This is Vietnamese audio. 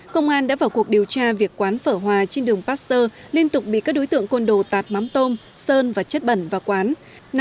công an đã vào cuộc điều tra việc quán phở hòa trên đường pasteur liên tục bị các đối tượng côn đồ tạt mắm tôm sơn và chất bẩn vào quán